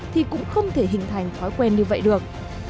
thì cũng không thể hình thành thói quen như vậy được